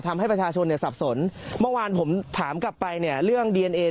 ทำให้ประชาชนเนี่ยสับสนเมื่อวานผมถามกลับไปเนี่ยเรื่องดีเอนเอ